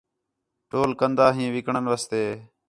ٹول کندا ہیں وِکݨ واسطے